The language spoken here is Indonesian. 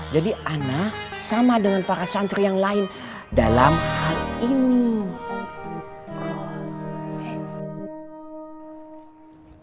jadi ana sama dengan para santri yang lain dalam hal ini